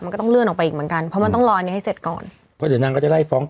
มันก็เรื่องออกไปอีกเหมือนกันเพราะมันต้องรอเนี้ยให้เสร็จก่อน